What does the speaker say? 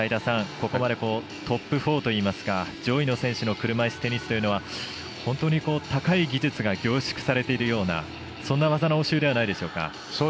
ここまでトップ４といいますか上位の選手の車いすテニスというのは本当に高い技術が凝縮されているようなそんな技の応酬ではないですか。